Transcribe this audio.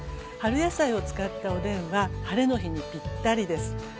春野菜を使ったおでんはハレの日にぴったりです。